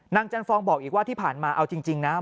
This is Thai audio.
จันฟองบอกอีกว่าที่ผ่านมาเอาจริงนะ